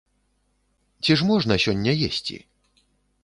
Ці ж можна сёння есці?